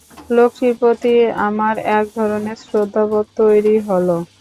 লোকটির প্রতি আমার একধরনের শ্রদ্ধাবোধ তৈরি হল।